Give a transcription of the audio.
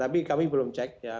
tapi kami belum cek ya